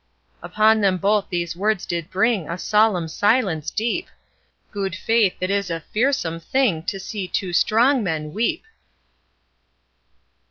_'..... Upon them both these words did bring A solemn silence deep, Gude faith, it is a fearsome thing To see two strong men weep.